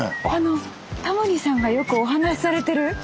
あのタモリさんがよくお話しされてる？